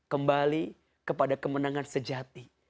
kembali kepada kemenangan sejati